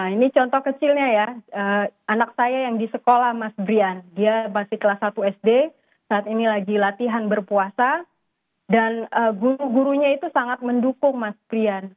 ini contoh kecilnya ya anak saya yang di sekolah mas brian dia masih kelas satu sd saat ini lagi latihan berpuasa dan guru gurunya itu sangat mendukung mas brian